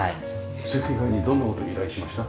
設計家にどんな事依頼しました？